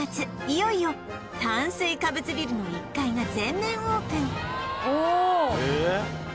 いよいよ炭水化物ビルの１階が全面オープンおおっええ？